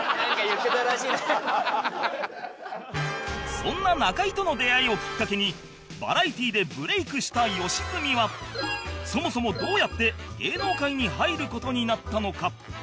そんな中居との出会いをきっかけにバラエティでブレイクした良純はそもそもどうやって芸能界に入る事になったのか？